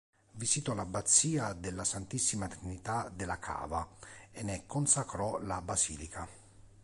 Visitò l'Abbazia della Santissima Trinità de La Cava e ne consacrò la basilica.